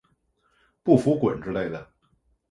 不服滚之类的